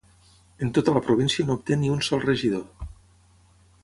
En tota la província no obté ni un sol regidor.